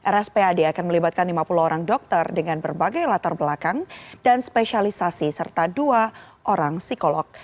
rspad akan melibatkan lima puluh orang dokter dengan berbagai latar belakang dan spesialisasi serta dua orang psikolog